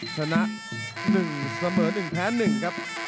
ชนะ๑เสมอ๑แพ้๑ครับ